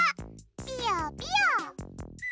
ピヨピヨ。